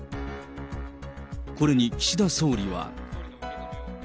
これに岸田総理は。